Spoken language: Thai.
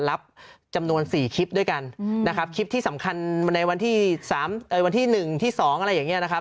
รับจำนวน๔คลิปด้วยกันนะครับคลิปที่สำคัญในวันที่๓วันที่๑ที่๒อะไรอย่างนี้นะครับ